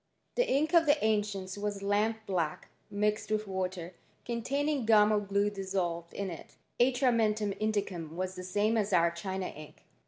The ink of the ancients was lamp black mixed widi water, containing gum or glue dissolved in it. Atrm^ mentum indicum was the same as our China ink.